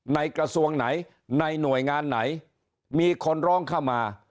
กระทรวงไหนในหน่วยงานไหนมีคนร้องเข้ามา